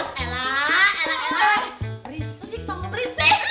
berisik toh berisik